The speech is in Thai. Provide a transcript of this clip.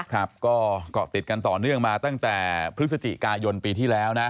ครับก็เกาะติดกันต่อเนื่องมาตั้งแต่พฤศจิกายนปีที่แล้วนะ